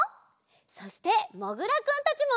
そしてもぐらくんたちも。